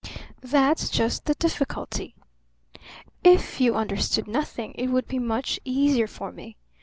"That's just the difficulty. If you understood nothing it would be much easier for me.